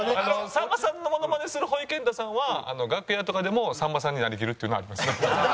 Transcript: さんまさんのモノマネするほいけんたさんは楽屋とかでもさんまさんになりきるっていうのはありますね。